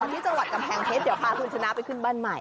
ที่จังหวัดกำแพงเพชรเดี๋ยวพาคุณชนะไปขึ้นบ้านใหม่